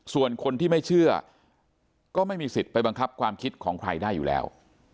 ส่วนคนที่ไม่เชื่อก็ไม่มีสิทธิ์ไปบังคับความคิดของใครได้อยู่แล้ว